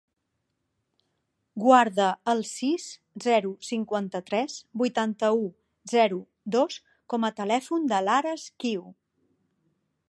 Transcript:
Guarda el sis, zero, cinquanta-tres, vuitanta-u, zero, dos com a telèfon de l'Ares Qiu.